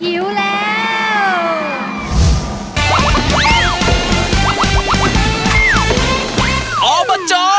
หิวแล้ว